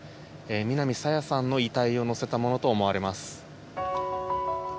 南朝芽さんの遺体を乗せたものと思われます。